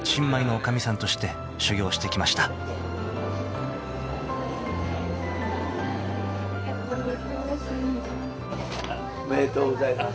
奥さまおめでとうございます。